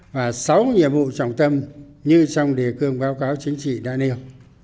và sáu nhiệm vụ trọng tâm như trong đề cương báo cáo chính trị đã nêu